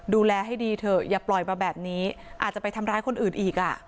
ดูแลให้ดีเถอะอย่าปล่อยมาแบบนี้อาจจะไปทำร้ายคนอื่นอีกอ่ะ